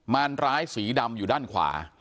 รร้ายสีดำอยู่ด้านขวา